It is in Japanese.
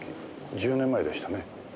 １０年前でしたね。